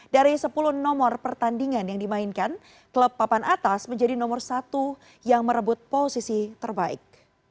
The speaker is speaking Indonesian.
dari sepuluh nomor pertandingan yang dimainkan klub papan atas menjadi nomor satu yang merebut posisi terbaik